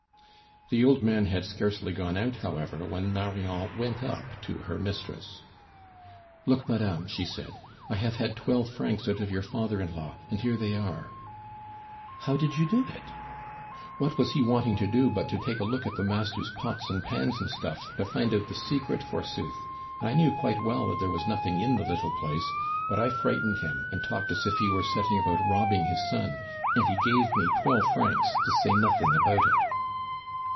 The old man had scarcely gone out, however, when Marion went up to her mistress. "Look, madame," she said, "I have had twelve francs out of your father in law, and here they are " "How did you do it?" "What was he wanting to do but to take a look at the master's pots and pans and stuff, to find out the secret, forsooth. I knew quite well that there was nothing in the little place, but I frightened him and talked as if he were setting about robbing his son, and he gave me twelve francs to say nothing about it."